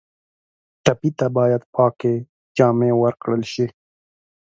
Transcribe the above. ټپي ته باید پاکې جامې ورکړل شي.